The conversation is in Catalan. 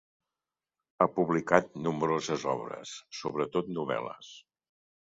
Ha publicat nombroses obres, sobretot novel·les.